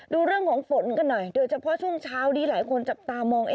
ดูเรื่องของฝนกันหน่อยโดยเฉพาะช่วงเช้านี้หลายคนจับตามอง